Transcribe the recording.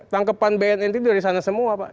tangkepan bnn itu dari sana semua pak